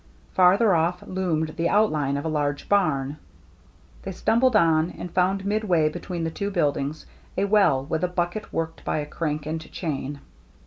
Farther off loomed the outline of a large barn. They stumbled on, and found midway between the two build ings a well with a bucket worked by a crank and chain.